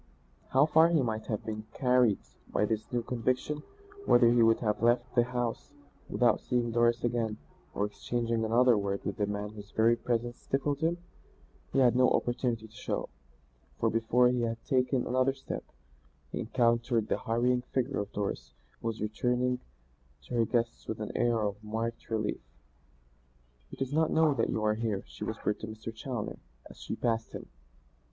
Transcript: How far he might have been carried by this new conviction; whether he would have left the house without seeing Doris again or exchanging another word with the man whose very presence stifled him, he had no opportunity to show, for before he had taken another step, he encountered the hurrying figure of Doris, who was returning to her guests with an air of marked relief. "He does not know that you are here," she whispered to Mr. Challoner, as she passed him.